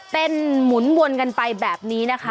หมุนวนกันไปแบบนี้นะคะ